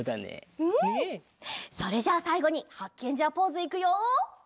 それじゃあさいごにハッケンジャーポーズいくよ！